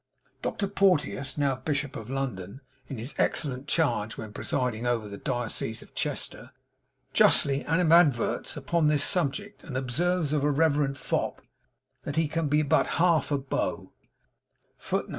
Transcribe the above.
Dr. Porteus, now Bishop of London, in his excellent charge when presiding over the diocese of Chester, justly animadverts upon this subject; and observes of a reverend fop, that he 'can be but half a beau.'